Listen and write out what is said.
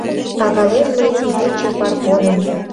Пагалем мый кӱтӱчӧ Парпоным!